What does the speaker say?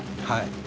はい。